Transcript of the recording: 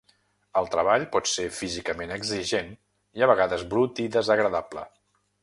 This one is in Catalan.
El treball pot ser físicament exigent i a vegades brut i desagradable.